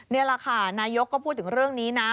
นี่แหละค่ะนายกก็พูดถึงเรื่องนี้นะ